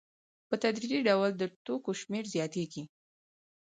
په تدریجي ډول د توکو شمېر زیاتېږي